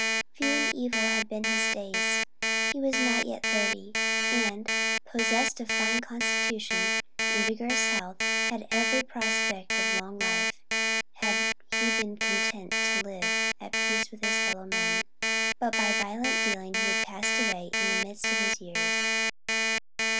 Few and evil had been his days; he was not yet thirty, and, possessed of a fine constitution and vigorous health, had every prospect of long life had he been content to live at peace with his fellow men; but by violent dealing he had passed away in the midst of his years.